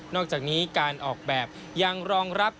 อกจากนี้การออกแบบยังรองรับ